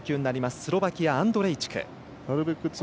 スロバキアのアンドレイチク。